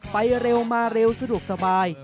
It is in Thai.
ไปเร็วมาเร็วสะดวกสบาย